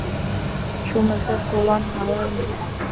چوومە سەر کۆڵان هاوارم کرد: